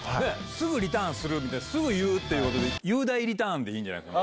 すぐリターンするんで、すぐ言うってことで、裕大リターンでいいんじゃないかな。